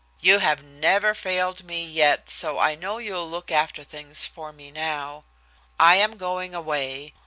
"You have never failed me yet, so I know you'll look after things for me now. "I am going away.